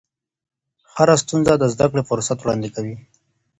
هره ستونزه د زده کړې فرصت وړاندې کوي.